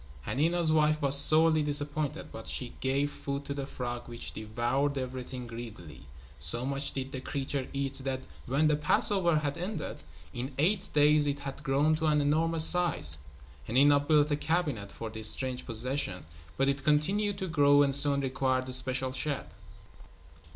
Hanina's wife was sorely disappointed, but she gave food to the frog which devoured everything greedily. So much did the creature eat that when the Passover had ended, in eight days it had grown to an enormous size. Hanina built a cabinet for his strange possession, but it continued to grow and soon required a special shed.